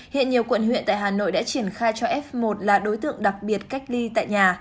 hiện nhiều quận huyện tại hà nội đã triển khai cho f một là đối tượng đặc biệt cách ly tại nhà